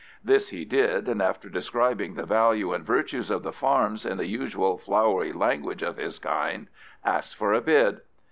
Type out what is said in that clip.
This he did, and, after describing the value and virtues of the farms in the usual flowery language of his kind, asked for a bid.